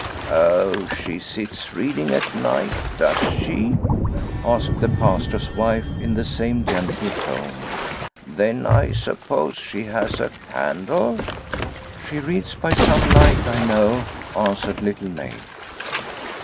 " Oh, she sits reading at night, does she ?' asked the Pastor's wife in the same gentle tone. " Then I suppose she has a candle." " She reads by some light, I know," answered Little Maid.